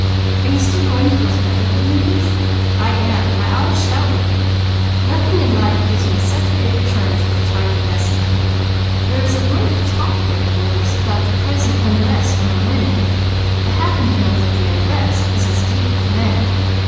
"Are you still going to those Brotherhood meetings?" "I am. And I always shall be. Nothing in life gives me such big returns for the time invested. There is a world of talk breaking loose about the present 'unrest' among women; I happen to know that the 'unrest' is as deep with men.